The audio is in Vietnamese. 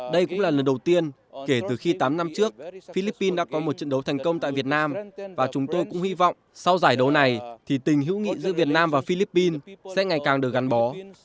đây cũng là lần đầu tiên kể từ khi tám năm trước philippines đã có một trận đấu thành công tại việt nam và chúng tôi cũng hy vọng sau giải đấu này thì tình hữu nghị giữa việt nam và philippines sẽ ngày càng được gắn bó